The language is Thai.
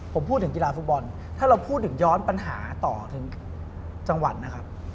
ผมพูดถึงกีฬาฟุตบอลถ้าเราพูดถึงย้อนปัญหาต่อถึงจังหวัดนะครับ